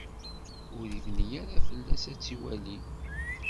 Ur ibni ara fell-as ad tt-iwali.